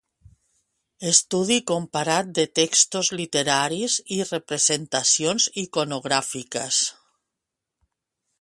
Estudi comparat de textos literaris i representacions iconogràfiques.